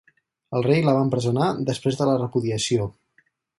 El rei la va empresonar després de la repudiació.